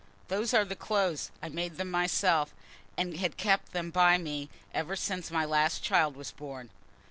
"Those are the clothes. I made them myself, and had kept them by me ever since my last child was born.